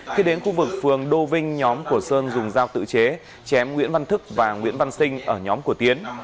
khi đến khu vực phường đô vinh nhóm của sơn dùng dao tự chế chém nguyễn văn thức và nguyễn văn sinh ở nhóm của tiến